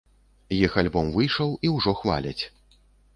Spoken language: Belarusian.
Іх альбом выйшаў, і ўжо хваляць.